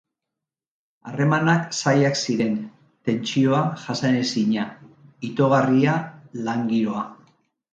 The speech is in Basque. Harremanak zailak ziren, tentsioa jasanezina, itogarria lan giroa.